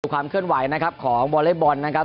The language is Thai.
ความเคลื่อนไหวนะครับของวอเล็กบอลนะครับ